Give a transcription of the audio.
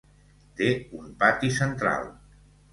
Té un pati central.